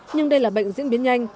nhưng đây là bệnh diễn biến nhanh